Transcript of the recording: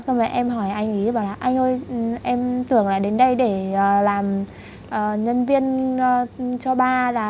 xong rồi em hỏi anh ấy bảo là anh ơi em tưởng là đến đây để làm nhân viên cho bar là